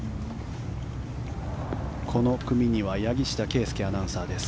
この組には柳下圭佑アナウンサーです。